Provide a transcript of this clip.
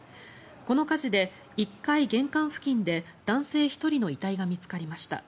この火事で１階玄関付近で男性１人の遺体が見つかりました。